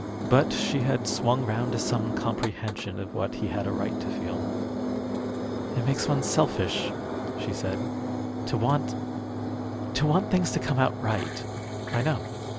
But she had swung round to some comprehension of what he had a right to feel. "It makes one selfish," she said, "to want to want things to come out right." "I know.